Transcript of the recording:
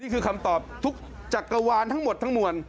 นี่คืบคำตอบจากกระวานทั้งหมดทั้งหมวน